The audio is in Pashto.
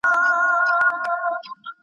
کوچنۍ سپوږمۍ زموږ د سپوږمۍ په څېر نه ده.